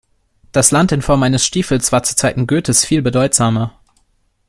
Das Land in Form eines Stiefels war zu Zeiten Goethes viel bedeutsamer.